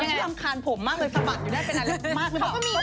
ยังไงที่รำคาญผมมากเลยสมัครอยู่ได้เป็นอะไรมากเหรอ